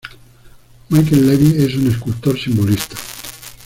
Michael Levy es un escultor simbolista.